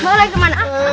mau lari kemana